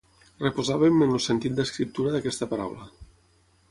Reposàvem en el sentit d'escriptura d'aquesta paraula.